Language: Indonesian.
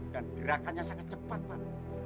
dan gerakannya sangat cepat pak